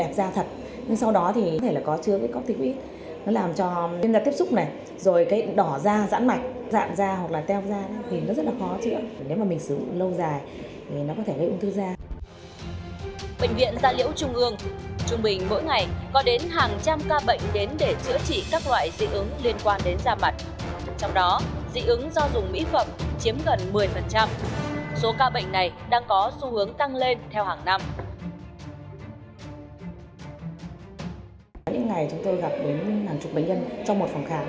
những ngày chúng tôi gặp đến hàng chục bệnh nhân trong một phòng khảo